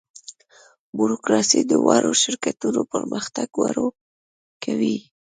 بوروکراسي د وړو شرکتونو پرمختګ ورو کوي.